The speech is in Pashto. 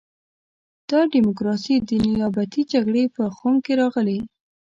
دا ډیموکراسي د نیابتي جګړې په خُم کې راغلې.